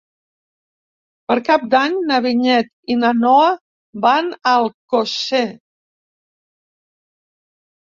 Per Cap d'Any na Vinyet i na Noa van a Alcosser.